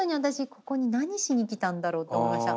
ここに何しに来たんだろうって思いました。